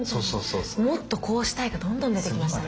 もっとこうしたいがどんどん出てきましたね。